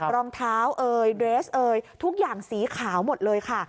รองเท้าเอ่ยเดรสเอยทุกอย่างสีขาวหมดเลยค่ะ